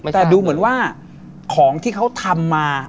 แต่ดูเหมือนว่าของที่เขาทำมา